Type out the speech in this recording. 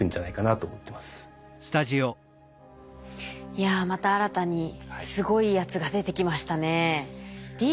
いやまた新たにすごいやつが出てきましたね。